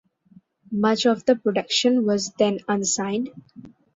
Much of the production was then unsigned.